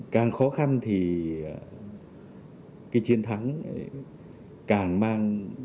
càng khó khăn thì cái chiến thắng càng mang